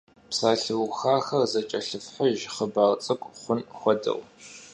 Psalheuxaxer zeç'elhıfhıjj, xhıbar ts'ık'u xhun xuedeu.